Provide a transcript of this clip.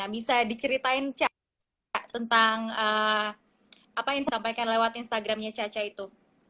bisa diceritain caca tentang apa yang disampaikan lewat instagramnya caca itu